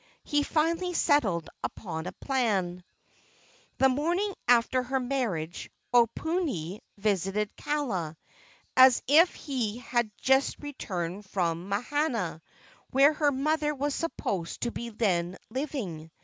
He finally settled upon a plan. The morning after her marriage Oponui visited Kaala, as if he had just returned from Mahana, where her mother was supposed to be then living.